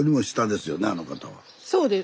そうです。